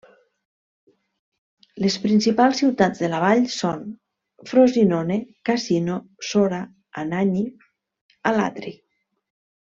Les principals ciutats de la vall són Frosinone, Cassino, Sora, Anagni, Alatri.